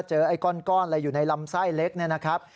ไอ้ก้อนอะไรอยู่ในลำไส้เล็กเนี่ยนะครับ